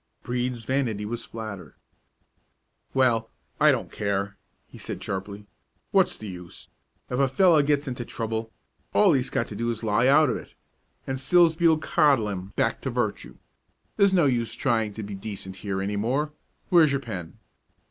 Brede's vanity was flattered. "Well, I don't care," he said sharply. "What's the use? If a fellow gets into trouble, all he's got to do is to lie out of it, and Silsbee'll coddle him back to virtue. There's no use trying to be decent here any more. Where's your pen?"